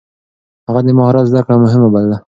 هغه د مهارت زده کړه مهمه بلله.